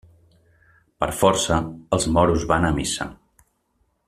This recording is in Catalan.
Per força, els moros van a missa.